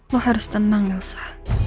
lo harus tenang elsa